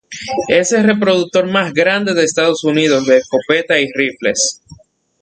Es el productor más grande de Estados Unidos de escopetas y rifles.